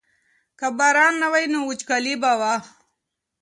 که باران نه وای نو وچکالي به وه.